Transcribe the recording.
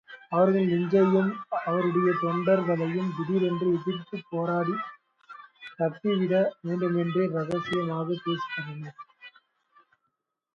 அவர்கள் லிஞ்சையும் அவருடைய தொண்டர்களையும் திடீரென்று எதிர்த்துப் போராடித் தப்பிவிட வேண்டுமென்றே இரகசியாகப் பேசிக் கொண்டனர்.